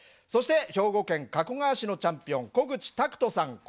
そして兵庫県加古川市のチャンピオン小口拓利さん